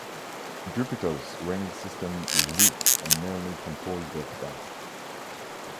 Jupiter’s ring system is weak and mainly composed of dust.